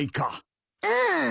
うん。